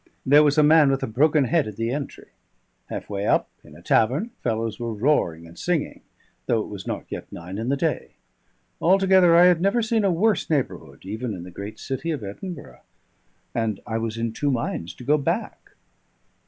There was a man with a broken head at the entry; half way up, in a tavern, fellows were roaring and singing, though it was not yet nine in the day. Altogether, I had never seen a worse neighbourhood, even in the great city of Edinburgh, and I was in two minds to go back.